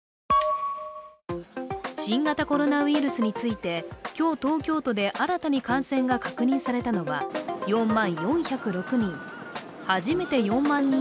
新型コロナウイルスについて今日、東京都で新たに感染が確認されたのは４万４０６人。